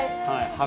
はい。